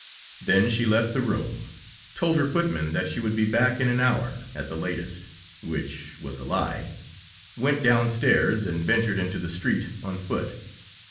Then she left the room, told her footman that she would be back in an hour, at the latest which was a lie; went downstairs and ventured into the street on foot.